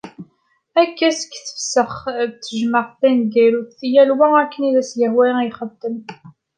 Akka seg tefsex tejmeɛt taneggarut, yal wa akken i as-yehwa i ixeddem.